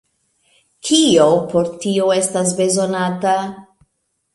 Kio por tio estas bezonata?